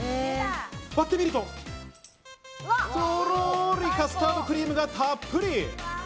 割ってみると、とろりカスタードクリームがたっぷり。